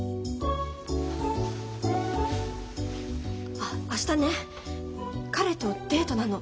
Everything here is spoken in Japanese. あ明日ね彼とデートなの。